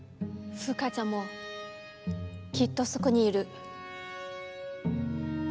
フウカちゃんもきっとそこにいる。